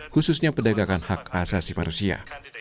khususnya perdagangan hak asasi manusia